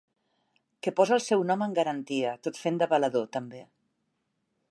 Que posa el seu nom en garantia, tot fent de valedor, també.